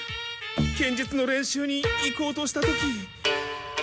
剣術の練習に行こうとした時。